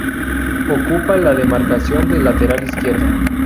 Ocupa la demarcación de lateral izquierdo.